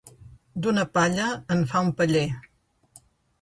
D'una palla en fa un paller.